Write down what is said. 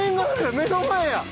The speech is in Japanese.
目の前や。